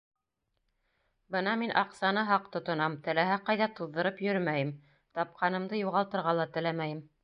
Бына мин аҡсаны һаҡ тотонам, теләһә ҡайҙа туҙҙырып йөрөмәйем, тапҡанымды юғалтырға ла теләмәйем.